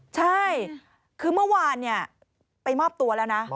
ใช่คือเมื่อวานไปมอบตัวแล้วนะ